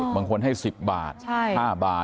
บางคนให้สิบบาทห้าบาท